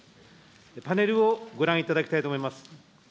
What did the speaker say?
パネルをご覧いただきたいと思います。